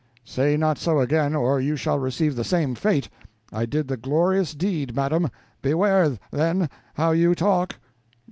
Say not so again, or you shall receive the same fate. I did the glorious deed, madam beware, then, how you talk.